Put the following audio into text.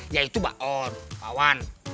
yaitu mbak or pawan